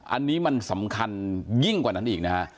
อันนี้มันสำคัญยิ่งกว่านั้นอีกนะฮะ